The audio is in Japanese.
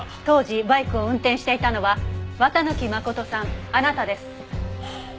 当時バイクを運転していたのは綿貫誠さんあなたです。